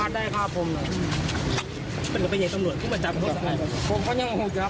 ในคลุกหลังไถงนี้